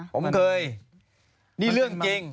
ผมเคยนี่เรื่องจริง